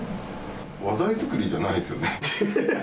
話題作りじゃないですよね？